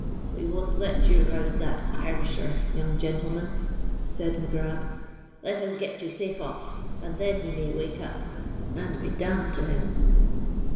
"We won't let you rouse that Irisher, young gentleman," said Mac Grab. "Let us get you safe off, and then he may wake up, and be damned to him."